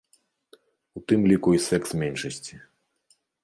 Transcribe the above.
У тым ліку і секс-меншасці.